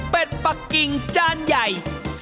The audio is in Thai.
๑เป็ดปะกิ่งจานใหญ่